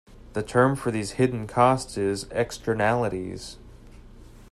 The term for these hidden costs is "Externalities".